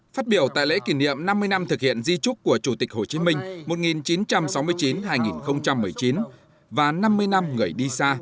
phát biểu tại lễ kỷ niệm năm mươi năm thực hiện di trúc của chủ tịch hồ chí minh một nghìn chín trăm sáu mươi chín hai nghìn một mươi chín và năm mươi năm người đi xa